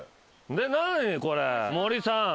で何これ森さん。